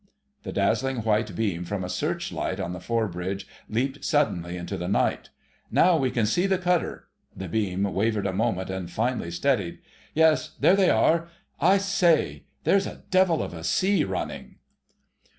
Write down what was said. The dazzling white beam from a search light on the fore bridge leaped suddenly into the night. "Now we can see the cutter—" the beam wavered a moment and finally steadied. "Yes, there they are.... I say, there's a devil of a sea running."